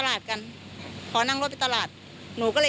แม่ถ่ายคลิปไปหมดละ